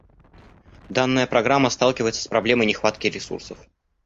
Данная программа сталкивается с проблемой нехватки ресурсов.